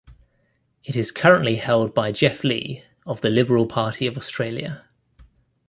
It is currently held by Geoff Lee of the Liberal Party of Australia.